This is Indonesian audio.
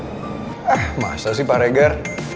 eh masa sih pak reger